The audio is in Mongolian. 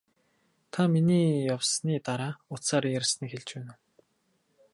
Та миний явсны дараа утсаар ярьсныг хэлж байна уу?